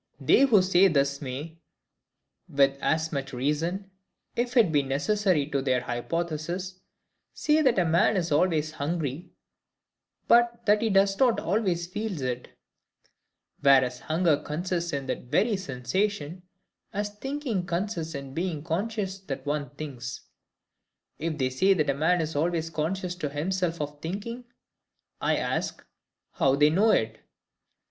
They who talk thus may, with as much reason, if it be necessary to their hypothesis, say that a man is always hungry, but that he does not always feel it; whereas hunger consists in that very sensation, as thinking consists in being conscious that one thinks. If they say that a man is always conscious to himself of thinking, I ask, How they know it?